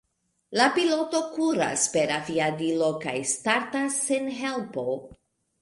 La piloto kuras per aviadilo kaj startas sen helpo.